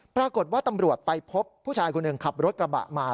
ปรากฏว่าตำรวจไปพบผู้ชายคนหนึ่งขับรถกระบะมา